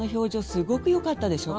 すごくよかったでしょう。